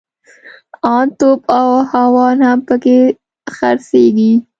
ان توپ او هاوان هم پکښې خرڅېږي.